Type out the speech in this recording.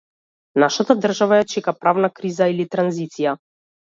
Нашата држава ја чека правна криза или транзиција.